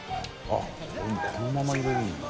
あっこのまま入れるんだ。